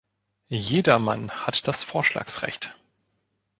Jedermann hat das Vorschlagsrecht.